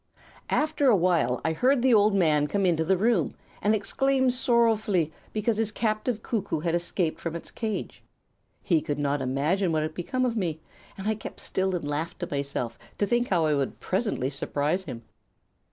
After awhile I heard the old man come into the room and exclaim sorrowfully because his captive cuckoo had escaped from its cage. He could not imagine what had become of me, and I kept still and laughed to myself to think how I would presently surprise him.